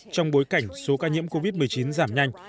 trong bối cảnh số ca nhiễm covid một mươi chín giảm nhanh